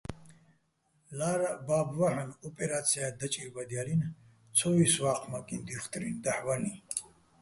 ლა́რაჸ ბა́ბო̆ ვაჰ̦ონ ოპერა́ცია დაჭირბადჲალინი̆, ცო ვისვა́ჴმაკიჼ დუჲხტრინ, დაჰ̦ ვალიჼ.